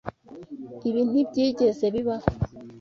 Ibi ntibyigeze bibaho.